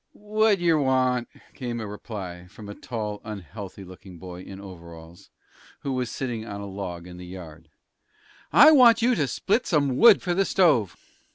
"What yer want?" came as a reply from a tall, unhealthy looking boy in overalls, who was sitting on a log in the yard. "I want you to split some wood for the stove."